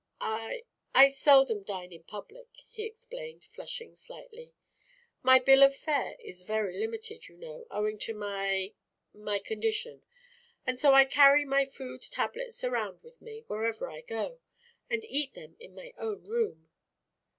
"I I seldom dine in public," he explained, flushing slightly. "My bill of fare is very limited, you know, owing to my my condition; and so I carry my food tablets around with me, wherever I go, and eat them in my own room."